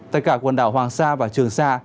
tại cả quần đảo hoàng sa và trường sa